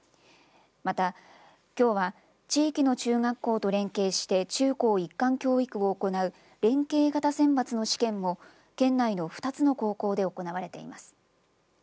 また、きょうは地域の中学校と連携して中高一貫教育を行う連携型選抜の試験も県内の２つの高校で行われています。